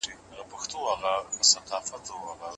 ستنې د لوږې پیغامونه کموي.